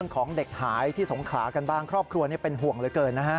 ของเด็กหายที่สงขลากันบ้างครอบครัวเป็นห่วงเหลือเกินนะฮะ